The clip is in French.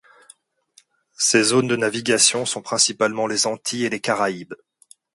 Ses zones de navigation sont principalement les Antilles et les Caraïbes.